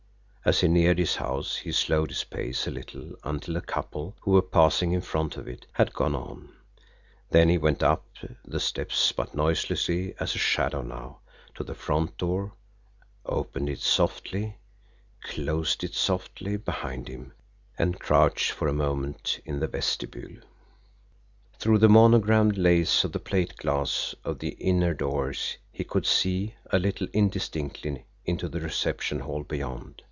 As he neared his house he slowed his pace a little until a couple, who were passing in front of it, had gone on; then he went up the steps, but noiselessly as a shadow now, to the front door, opened it softly, closed it softly behind him, and crouched for a moment in the vestibule. Through the monogrammed lace on the plate glass of the inner doors he could see, a little indistinctly, into the reception hall beyond.